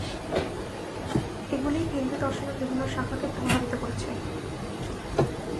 এগুলি হিন্দু দর্শনের বিভিন্ন শাখাকে প্রভাবিত করেছে।